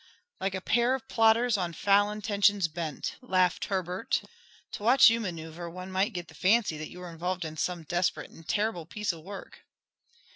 "Like a pair of plotters on foul intentions bent," laughed Herbert. "To watch you manoeuvre, one might get the fancy that you were involved in some desperate and terrible piece of work."